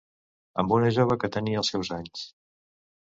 Amb una jove que tenia els seus anys.